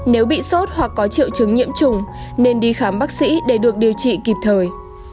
nếu bị sốt hoặc có triệu chứng nhiễm trùng nên đi khám bác sĩ để được điều trị kịp thời